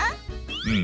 うん。